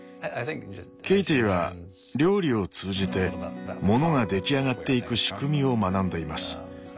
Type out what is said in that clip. ケイティは料理を通じてモノが出来上がっていく仕組みを学んでいます。